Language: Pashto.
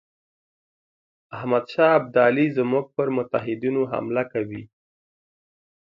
احمدشاه ابدالي زموږ پر متحدینو حمله کوي.